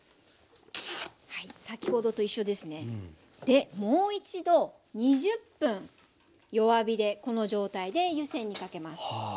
先ほどと一緒ですねでもう一度２０分弱火でこの状態で湯煎にかけます。